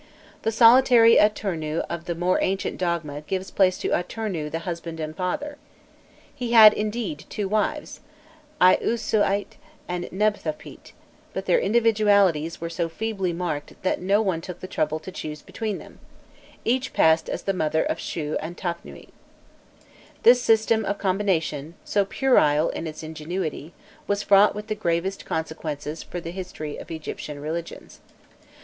The solitary Atûrnû of the more ancient dogma gave place to Atûrnû the husband and father. He had, indeed, two wives, Iûsâsît and Nebthotpît, but their individualities were so feebly marked that no one took the trouble to choose between them; each passed as the mother of Shû and Tafnûîfc. This system of combination, so puerile in its ingenuity, was fraught with the gravest consequences to the history of Egyptian religions.